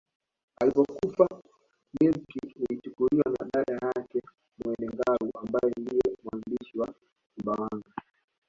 Alipokufa milki ilichukuliwa na dada yake Mwene Ngalu ambaye ndiye mwanzilishi wa Sumbawanga